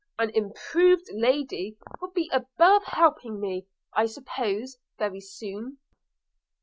An improved lady will be above helping me, I suppose, very soon.'